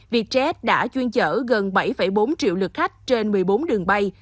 vietjet đã chuyên chở gần bảy bốn triệu lượt khách trên một mươi bốn đường bay